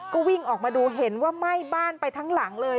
ก็วิ่งออกมาดูเห็นว่าไหม้บ้านไปทั้งหลังเลย